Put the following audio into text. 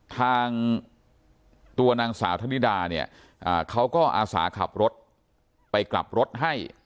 ทางตัวนางสาวธนิดาเนี่ยเขาก็อาสาขับรถไปกลับรถให้